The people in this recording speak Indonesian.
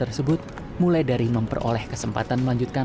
assalamu'alaikum selamat siang jenderal